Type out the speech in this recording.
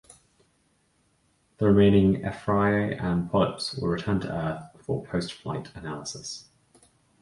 The remaining ephyrae and polyps were returned to Earth for postflight analysis.